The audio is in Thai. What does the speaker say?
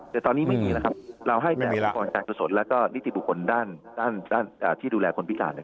แต่ตอนนี้ไม่มีแล้วครับไม่มีแล้วแล้วก็นิติบุคลด้านด้านด้านอ่าที่ดูแลคนพิการนะครับ